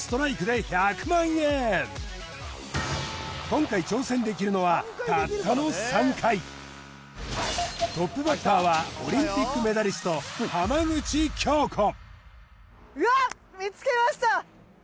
今回挑戦できるのはたったの３回トップバッターはオリンピックメダリスト浜口京子